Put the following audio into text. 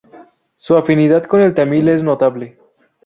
Su afinidad con el tamil es notable.